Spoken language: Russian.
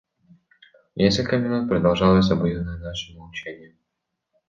Несколько минут продолжалось обоюдное наше молчание.